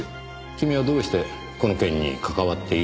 君はどうしてこの件に関わっているのですか？